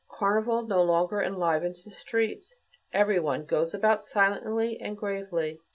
Carnival no longer enlivens the streets. Every one goes about silently and gravely."